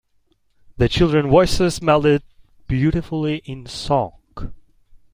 The children’s voices melded beautifully in song.